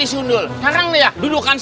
silakan duduk mas